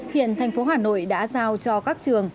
hiện thành phố hà nội đã giao cho các trường